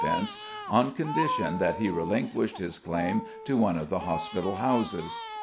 on condition that he relinquished his claim to one of the hospital houses.